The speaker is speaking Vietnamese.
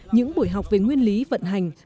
những buổi học về nguyên lý vận hành